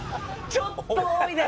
ちょっと多いです今日。